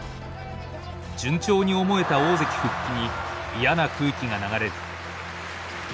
順調に思えた大関復帰に嫌な空気が流れる。